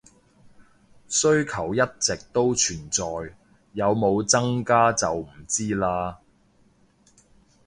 需求一直都存在，有冇增加就唔知喇